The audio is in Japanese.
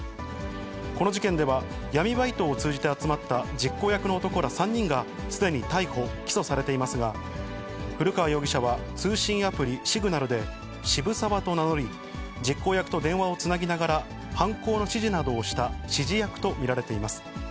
この事件では、闇バイトを通じて集まった実行役の男ら３人がすでに逮捕・起訴されていますが、古川容疑者は通信アプリ、シグナルで渋沢と名乗り、実行役と電話をつなぎながら、犯行の指示などをした、指示役と見られています。